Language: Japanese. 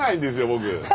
僕。